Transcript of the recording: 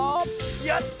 やった！